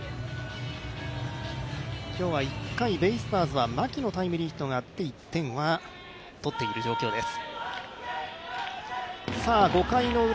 今日は１回、ベイスターズは牧のタイムリーヒットがあって１点は取っている状況です。